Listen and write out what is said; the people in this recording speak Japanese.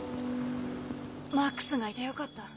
「マックスがいてよかった」。